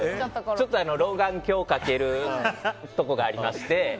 ちょっと老眼鏡をかけるところがありまして。